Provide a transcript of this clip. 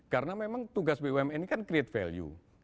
karena memang tugas bumn ini kan create value